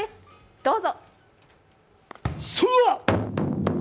どうぞ。